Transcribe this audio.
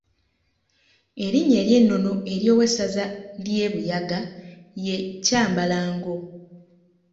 Erinnya ery’ennono ery’owessaza ly’e Buyaga ye Kyambalango.